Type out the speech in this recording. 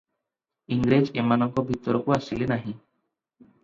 ଇଂରେଜ ଏମାନଙ୍କ ଭିତରକୁ ଆସିଲେ ନାହିଁ ।